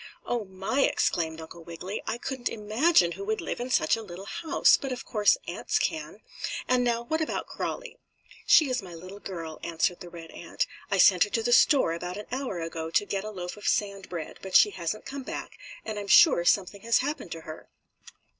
"Oh, my!" exclaimed Uncle Wiggily. "I couldn't imagine who would live in such a little house, but of course ants can. And now what about Crawlie?" "She is my little girl," answered the red ant. "I sent her to the store about an hour ago to get a loaf of sand bread, but she hasn't come back and I'm sure something has happened to her."